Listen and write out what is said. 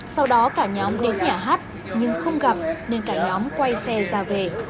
sau đó cả nhóm đến nhà hát nhưng không gặp nên cả nhóm quay xe ra về